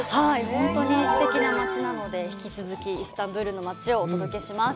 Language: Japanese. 本当にすてきな街なので、引き続き、イスタンブルの街をお届けします。